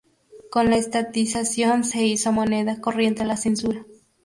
Con la estatización se hizo moneda corriente la censura.